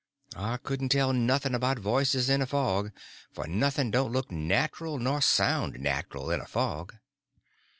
I couldn't tell nothing about voices in a fog, for nothing don't look natural nor sound natural in a fog.